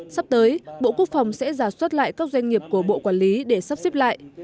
sắp tới bộ quốc phòng sẽ giả soát lại các doanh nghiệp của bộ quản lý để sắp xếp lại